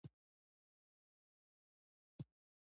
بشپړو هڅو له ځانګړې ده.